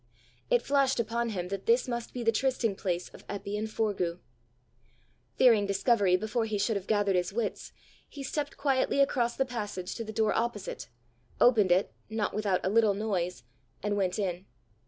It flashed upon him that this must be the trysting place of Eppy and Forgue. Fearing discovery before he should have gathered his wits, he stepped quietly across the passage to the door opposite, opened it, not without a little noise, and went in.